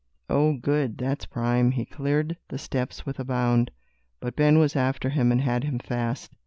"Oh, good, that's prime!" He cleared the steps with a bound. But Ben was after him and had him fast.